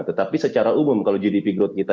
tetapi secara umum kalau gdp growth kita